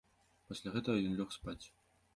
Пасля гэтага ён лёг спаць.